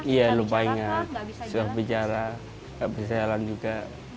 iya lupa ingat sudah bicara gak bisa jalan juga